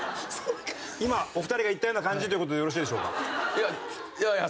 今お二人が言ったような感じという事でよろしいでしょうか？